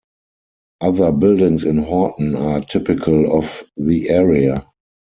Other buildings in Horton are typical of the area.